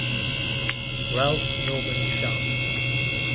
Ralph Norman Sharp.